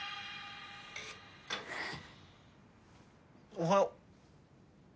おはよう。